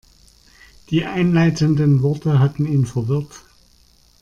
Die einleitenden Worte hatten ihn verwirrt.